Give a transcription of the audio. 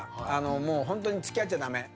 もうホントに付き合っちゃ駄目。